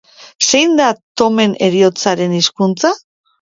Zein da Tomen heriotzaren hizkuntza?